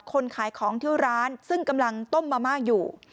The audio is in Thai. คนขายของที่ร้านซึ่งกำลังต้มมะม่าอยู่